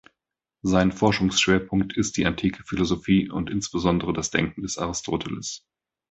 Sein Forschungsschwerpunkt ist die antike Philosophie und insbesondere das Denken des Aristoteles.